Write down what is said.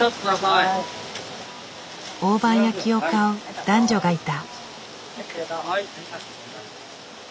大判焼きを買う男女がいた。